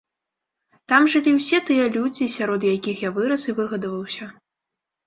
Так жылі ўсе тыя людзі, сярод якіх я вырас і выгадаваўся.